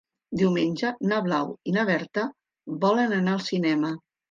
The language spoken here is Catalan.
Diumenge na Blau i na Berta volen anar al cinema.